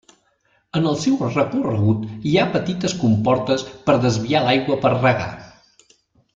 En el seu recorregut hi ha petites comportes per desviar l'aigua per regar.